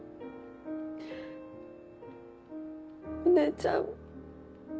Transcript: お姉ちゃん。